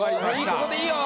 ここでいいよ！